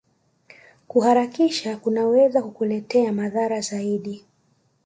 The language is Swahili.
Kuharakisha kunaweza kukuletea madhara zaidi